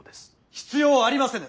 必要ありませぬ。